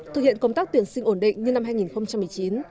thực hiện công tác tuyển sinh ổn định như năm hai nghìn một mươi chín